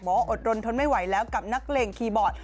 บอกว่าอดรนทนไม่ไหวแล้วกับหนักเล่นคีย์บอร์ด